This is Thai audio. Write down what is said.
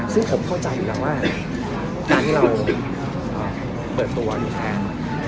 ซึ่งผมเข้าใจอยู่แล้วว่าการที่เราเปิดตัวอยู่แล้ว